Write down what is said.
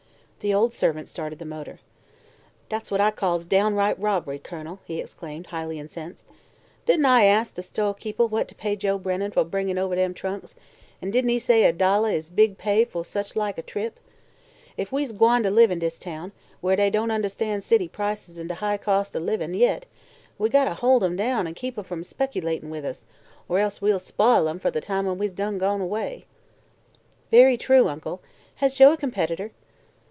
The old servant started the motor. "Dat's what I calls downright robbery, Kun'l," he exclaimed, highly incensed. "Didn't I ask de stoahkeepeh what to pay Joe Brennen foh bringin' oveh dem trunks, an' didn't he say a dolleh is big pay foh such like a trip? If we's gwine live in dis town, where day don' un'stand city prices an' de high cost o' livin' yit, we gotta hol' 'em down an' keep 'em from speckilatin' with us, or else we'll spile 'em fer de time when we's gone away." "Very true, Uncle. Has Joe a competitor?"